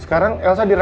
saya nunggu dia